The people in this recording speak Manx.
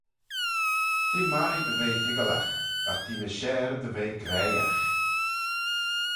Te mie dy ve toiggalagh, agh te ny share dy ve graihagh.